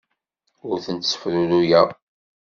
Ur ten-ssefruruyeɣ.